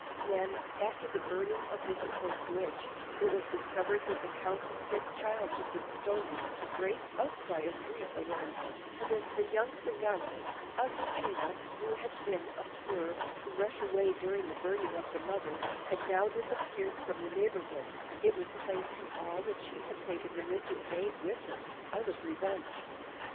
When, after the burning of the supposed witch, it was discovered that the Count's sick child had been stolen, a great outcry of grief arose; and as the young Zingara, Azucena (who had been observed to rush away during the burning of her mother), had now disappeared from the neighbourhood, it was plain to all that she had taken the missing babe with her, out of revenge.